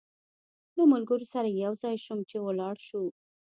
له ملګرو سره یو ځای شوم چې ولاړ شو.